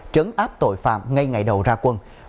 trấn áp tội phạm ngay ngày đầu ra quân